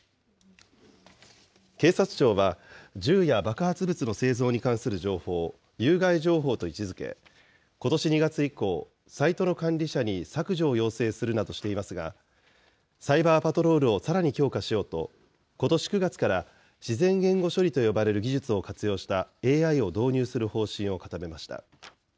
警察庁は、銃や爆発物の製造に関する情報を有害情報と位置づけ、ことし２月以降、サイトの管理者に削除を要請するなどしていますが、サイバーパトロールをさらに強化しようと、ことし９月から、自然言語処理と呼ばれる技術を活用したＡＩを導入する方針を固めました。